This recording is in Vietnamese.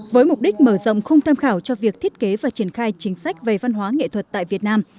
với mục đích mở rộng khung tham khảo cho việc thiết kế và triển khai chính sách về văn hóa nghệ thuật tại việt nam